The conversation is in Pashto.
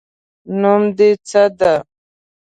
نوم د څه ده